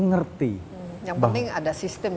ngerti yang penting ada sistem